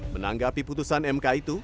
menanggapi putusan mk itu